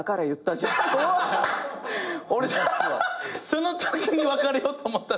そのときに別れようと思ったって。